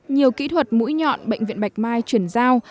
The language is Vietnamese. nhiều kỹ thuật mũi nhọn bệnh viện bạch mai chuyển giao